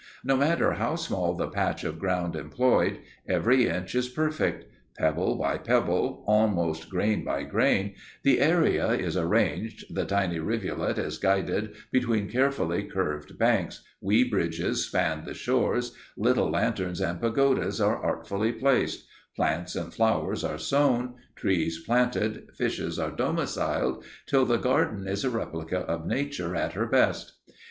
No matter how small the patch of ground employed, every inch is perfect. Pebble by pebble, almost grain by grain, the area is arranged, the tiny rivulet is guided between carefully curved banks, wee bridges span the shores, little lanterns and pagodas are artfully placed, plants and flowers are sown, trees planted, fishes are domiciled, till the garden is a replica of Nature at her best.